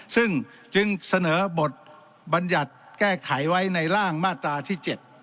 ซึ่งจึงเสนอบทบัญญัติแก้ไขไว้ในร่างมาตราที่๗